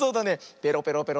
ペロペロペロ。